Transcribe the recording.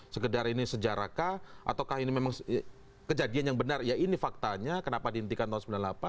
sekedar ini sejarahkah ataukah ini memang kejadian yang benar ya ini faktanya kenapa diintikan tahun sembilan puluh delapan